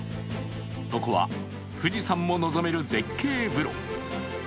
ここは富士山も望める絶景風呂。